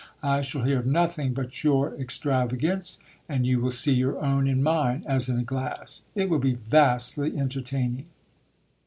I shall hear of nothing but your extravagance ; and you will see your own in mine as in a glass. It will be vastly entertaining.'